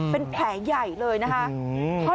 เป็นแผลใหญ่เลยนะคะ